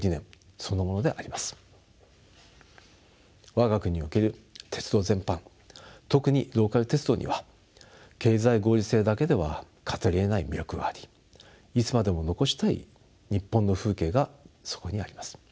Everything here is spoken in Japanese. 我が国における鉄道全般特にローカル鉄道には経済合理性だけでは語りえない魅力がありいつまでも残したい日本の風景がそこにあります。